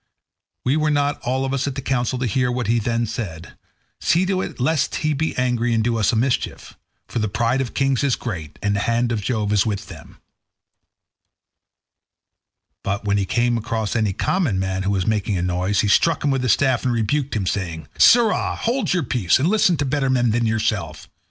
We were not all of us at the council to hear what he then said; see to it lest he be angry and do us a mischief; for the pride of kings is great, and the hand of Jove is with them." But when he came across any common man who was making a noise, he struck him with his staff and rebuked him, saying, "Sirrah, hold your peace, and listen to better men than yourself.